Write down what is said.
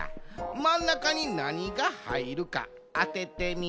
まんなかになにがはいるかあててみや。